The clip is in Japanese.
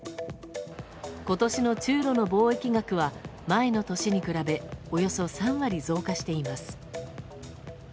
今年の中ロの貿易額は前の年に比べおよそ３割増加しています。